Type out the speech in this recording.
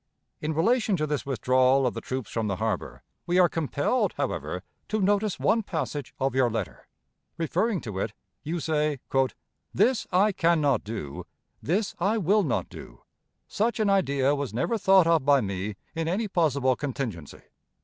In relation to this withdrawal of the troops from the harbor, we are compelled, however, to notice one passage of your letter. Referring to it, you say: "This I can not do; this I will not do. Such an idea was never thought of by me in any possible contingency.